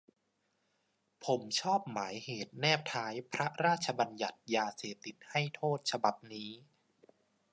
ผมชอบหมายเหตุแนบท้ายพระราชบัญญัติยาเสพติดให้โทษฉบับนี้